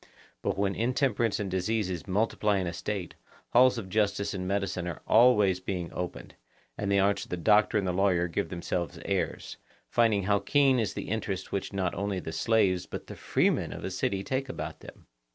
But when intemperance and diseases multiply in a State, halls of justice and medicine are always being opened; and the arts of the doctor and the lawyer give themselves airs, finding how keen is the interest which not only the slaves but the freemen of a city take about them.